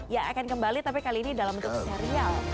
ya akan kembali tapi kali ini dalam bentuk serial